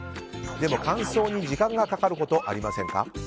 でも乾燥に時間がかかることありませんか？